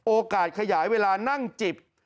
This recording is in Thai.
ขยายเวลานั่งจิบ